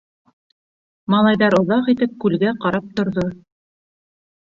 Малайҙар оҙаҡ итеп күлгә ҡарап торҙо.